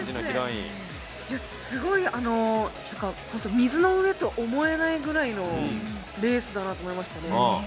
水の上と思えないぐらいのレースだと思いましたね。